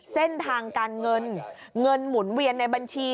เส้นทางการเงินเงินหมุนเวียนในบัญชี